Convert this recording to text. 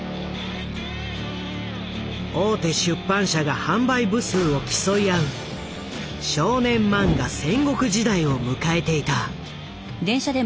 大手出版社が販売部数を競い合う少年漫画戦国時代を迎えていた。